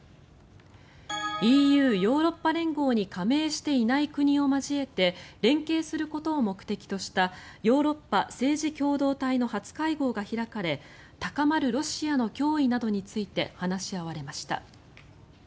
ＥＵ・ヨーロッパ連合に加盟していない国を交えて連携することを目的としたヨーロッパ政治共同体の初会合が開かれ高まるロシアの脅威などについて話し合われました。